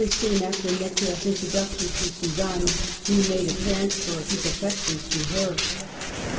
soon after Necker's introduction to Suzanne he made a transfer of his affections to her.